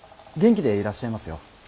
元気でいらっしゃいますよ。